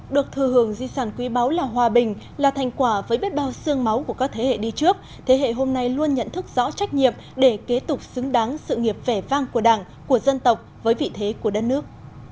được thừa hưởng di sản quý báu là hòa bình là thành quả với biết bao sương máu của các thế hệ đi trước thế hệ hôm nay luôn nhận thức rõ trách nhiệm để kế tục xứng đáng sự nghiệp vẻ vang của đảng của dân tộc với vị thế của đất nước